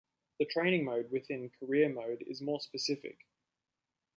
The training mode within Career Mode is more specific.